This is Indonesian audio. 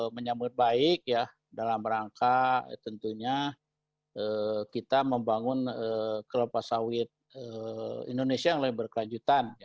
menyambut baik ya dalam rangka tentunya kita membangun kelabu asid indonesia yang berkelanjutan